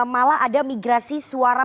malah ada migrasi suara